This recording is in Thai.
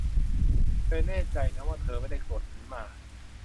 เธอแน่ใจนะว่าเธอไม่ได้โกรธฉัน มา